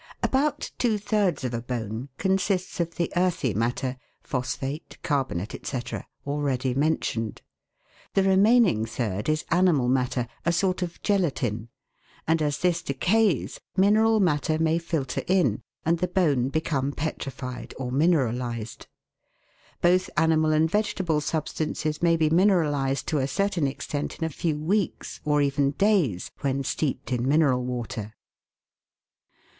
About two thirds of a bone consists of the earthy matter (phosphate, carbonate, &c.) already mentioned ; the re maining third is animal matter, a sort of gelatine, and as this decays, mineral matter may filter in, and the bone become petrified or mineralised. Both animal and vege table substances may be mineralised to a certain extent in a few weeks, or even days, when steeped in mineral water.